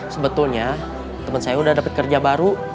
sebetulnya temen saya udah dapet kerja baru